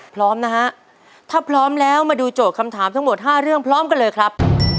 พร้อมนะฮะถ้าพร้อมแล้วมาดูโจทย์คำถามทั้งหมด๕เรื่องพร้อมกันเลยครับ